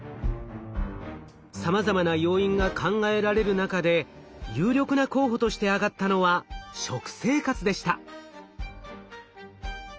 さまざまな要因が考えられる中で有力な候補として挙がったのは食生活でした。